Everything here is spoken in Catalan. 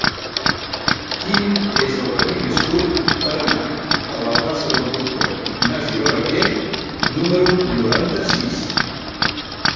Quin és el camí més curt per anar a la plaça del Doctor Ignasi Barraquer número noranta-sis?